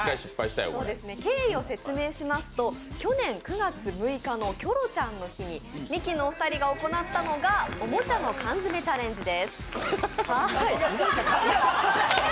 敬意を説明しますと去年９月６日のキョロちゃんの日にミキのお二人が行ったのがおもちゃのカンヅメチャレンジです。